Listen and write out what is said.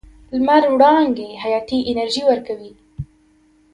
لمر وړانګې حیاتي انرژي ورکوي.